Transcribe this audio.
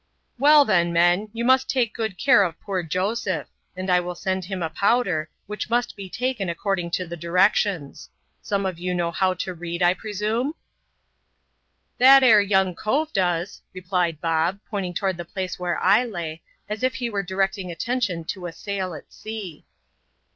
" Well then, men, you must take good care of poor Joseph j and I will send him a powder, which must be taken according to the directions. Some of you know how to read, I presume?" " That ere young cove does," replied Bob, pointing toward the place where I lay, as if he were directing attention to a sail at sea.